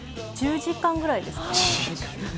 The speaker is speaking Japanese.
１０時間ぐらいですかね。